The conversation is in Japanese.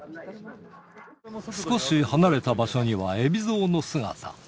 少し離れた場所には海老蔵の姿。